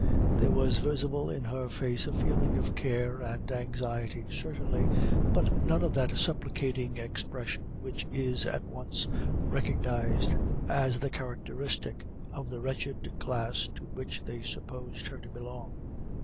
There was visible in her face a feeling of care and anxiety certainly, but none of that supplicating expression which is at once recognized as the characteristic of the wretched class to which they supposed her to belong.